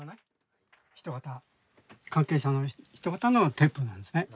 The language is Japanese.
関係者の人がたのテープなんですね。